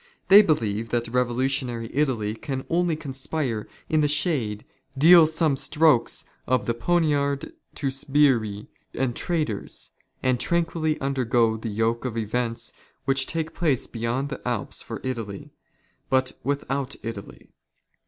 They believe '^ that revolutionary Italy can only conspire in the shade, deal " some strokes of the poinard to sbirri and traitors, and tran " quilly undergo the yoke of events which take place beyond " the Alps for Italy, but without Italy.